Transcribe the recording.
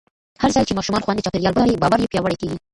هرځل چې ماشومان خوندي چاپېریال ولري، باور یې پیاوړی کېږي.